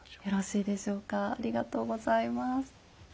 よろしいでしょうかありがとうございます。